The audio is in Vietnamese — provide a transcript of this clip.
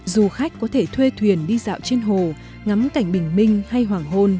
du khách có thể thuê thuyền đi dạo trên hồ ngắm cảnh bình minh